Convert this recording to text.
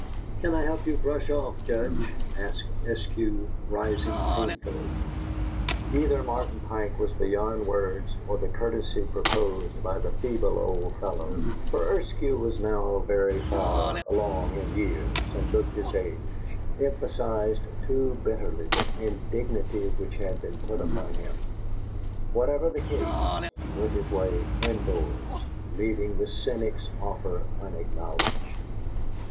"Can I help you brush off, Judge?" asked Eskew, rising painfully. Either Martin Pike was beyond words, or the courtesy proposed by the feeble old fellow (for Eskew was now very far along in years, and looked his age) emphasized too bitterly the indignity which had been put upon him: whatever the case, he went his way in doors, leaving the cynic's offer unacknowledged.